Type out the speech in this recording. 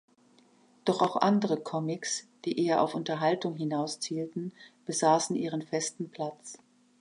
Doch auch andere Comics, die eher auf Unterhaltung hinaus zielten, besaßen ihren festen Platz.